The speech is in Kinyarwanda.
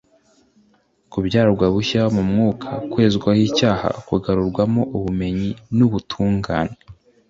kubyarwa bushya mu mwuka, kwezwaho icyaha, kugarurwamo ubumenyi n'ubuturugane.